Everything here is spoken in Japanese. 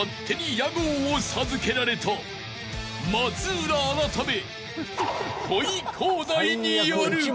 ［松浦改め］